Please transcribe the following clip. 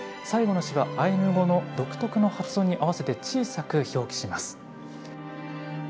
最後の「シ」はアイヌ語の独特の発音に合わせて小さく表記します。